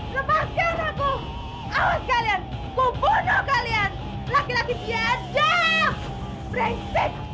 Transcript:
lepaskan aku awas kalian kubunuh kalian laki laki biadab